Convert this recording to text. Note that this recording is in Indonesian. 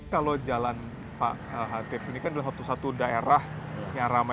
kalau jalan pak hatip ini kan adalah satu satu daerah yang ramai